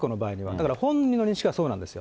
だから本人の認識はそうなんですよ。